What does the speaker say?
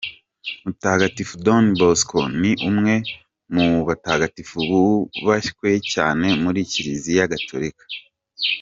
Mutagatifu Don Bosco ni umwe mu batagatifu bubashywe cyane muri kiliziya Gatolika.